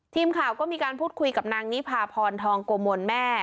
ทีมข่าวก็มีการพูดคุยกับนางนิพาพรทองโกมลแม่